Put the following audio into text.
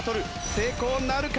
成功なるか？